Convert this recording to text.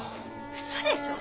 嘘でしょ。